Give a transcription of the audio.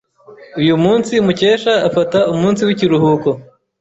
Uyu munsi, Mukesha afata umunsi w'ikiruhuko.